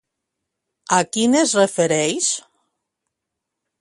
A quin es refereix?